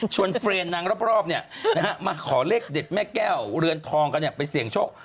เฟรนด์นางรอบมาขอเลขเด็ดแม่แก้วเรือนทองกันไปเสี่ยงโชค